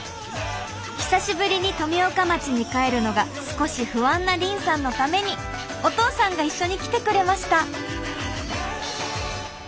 久しぶりに富岡町に帰るのが少し不安な凜さんのためにお父さんが一緒に来てくれました。